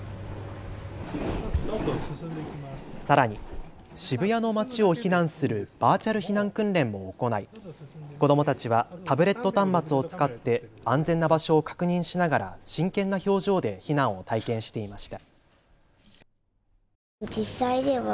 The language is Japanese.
さらに、渋谷の街を避難するバーチャル避難訓練も行い子どもたちはタブレット端末を使って安全な場所を確認しながら真剣な表情で避難を体験していました。